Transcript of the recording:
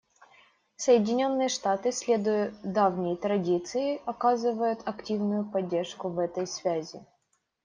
Соединенные Штаты, следуя давней традиции, оказывают активную поддержку в этой связи.